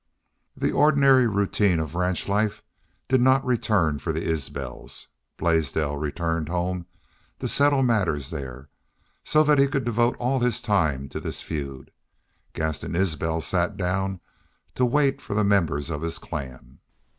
The ordinary routine of ranch life did not return for the Isbels. Blaisdell returned home to settle matters there, so that he could devote all his time to this feud. Gaston Isbel sat down to wait for the members of his clan.